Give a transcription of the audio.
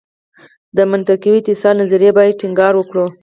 د منطقوي اتصال نظریې باندې ټینګار وکړ.